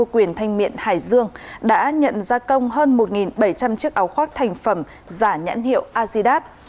quyền thanh miện hải dương đã nhận gia công hơn một bảy trăm linh chiếc áo khoác thành phẩm giả nhãn hiệu azidat